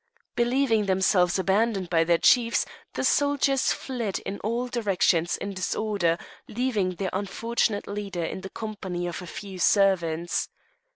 Believing themselves abandoned by their chiefs, the soldiers fled in all directions in disorder, leaving their unfortunate leader in the company of a few servants.